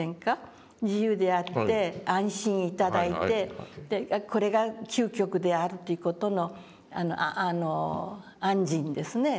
自由であって安心頂いてこれが究極であるという事の安心ですね。